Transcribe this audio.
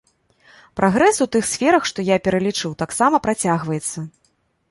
І прагрэс у тых сферах, што я пералічыў, таксама працягваецца.